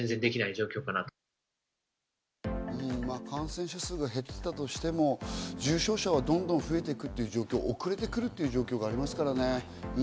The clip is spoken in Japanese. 感染者数が減ってきたとしても、重症者はどんどん増えていくという状況、遅れてくるという状況がありますからね。